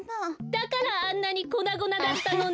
だからあんなにこなごなだったのね。